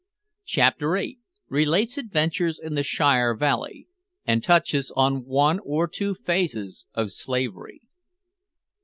CHAPTER EIGHT. RELATES ADVENTURES IN THE SHIRE VALLEY, AND TOUCHES ON ONE OR TWO PHASES OF SLAVERY.